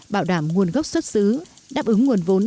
bảo đảm nguồn gốc xuất xứ đáp ứng nguồn vốn